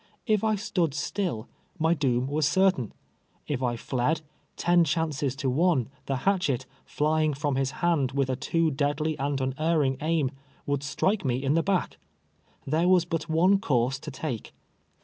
If I stood still, my doom was certain ; if I fied, ten chances to one the hatchet, flying from his hand with a too deadly and unerring aim, would strike me in the back. There was but one course to take.